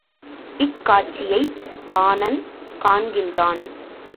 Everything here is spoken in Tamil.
இக்காட்சியைப் பாணன் காண்கின்றான்.